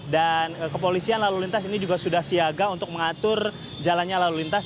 kepolisian lalu lintas ini juga sudah siaga untuk mengatur jalannya lalu lintas